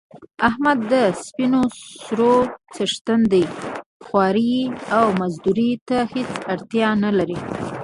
احمد د سپینو سرو څښتن دی خوارۍ او مزدورۍ ته هېڅ اړتیا نه لري.